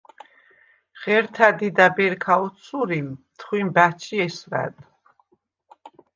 ღერთა̈ დიდა̈ბ ერ ქა ოთსურილ, თხვიმ ბა̈ჩჟი ესვა̈დ.